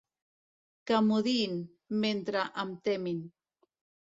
Que m'odiïn, mentre em temin.